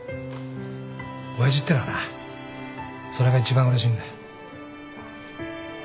親父ってのはなそれが一番うれしいんだ。